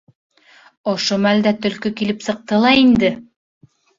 Ошо мәлдә Төлкө килеп сыҡты ла инде.